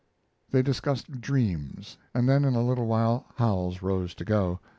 They discussed dreams, and then in a little while Howells rose to go.